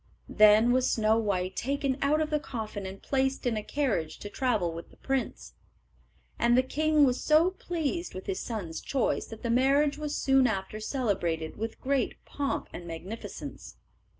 Then was Snow white taken out of the coffin and placed in a carriage to travel with the prince, and the king was so pleased with his son's choice that the marriage was soon after celebrated with great pomp and magnificence.